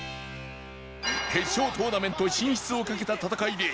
決勝トーナメント進出をかけた戦いで